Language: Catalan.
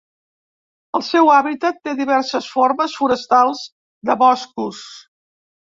El seu hàbitat té diverses formes forestals de boscos.